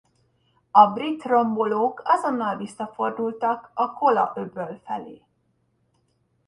A brit rombolók azonnal visszafordultak a Kola-öböl felé.